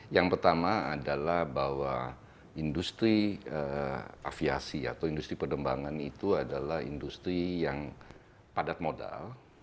yang pertama adalah bahwa industri aviasi atau industri perdembangan itu adalah industri yang padat modal